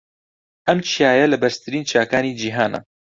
ئەم چیایە لە بەرزترین چیاکانی جیھانە.